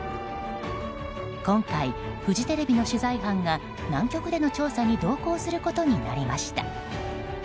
今回フジテレビの取材班が南極での調査に同行することになりました。